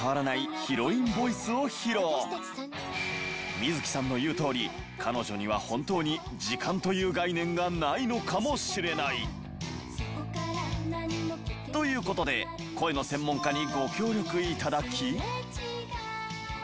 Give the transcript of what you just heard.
水樹さんの言うとおり彼女には本当に時間という概念がないのかもしれない。という事で声の専門家にご協力いただき。